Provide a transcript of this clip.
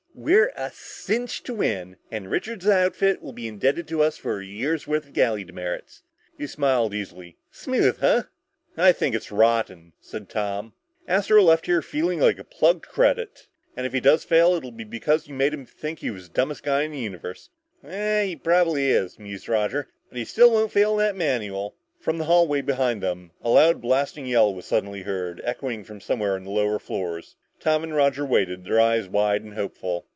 We're a cinch to win and Richards' outfit will be indebted to us for a year's worth of galley demerits." He smiled easily. "Smooth, huh?" "I think it's rotten," said Tom. "Astro left here feeling like a plugged credit! And if he does fail, it'll be because you made him think he was the dumbest guy in the universe!" "He probably is," mused Roger, "but he still won't fail that manual." From the hallway behind them, a loud blasting yell was suddenly heard, echoing from somewhere on the lower floors. Tom and Roger waited, their eyes wide and hopeful.